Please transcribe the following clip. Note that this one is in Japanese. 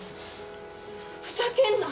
ふざけんな！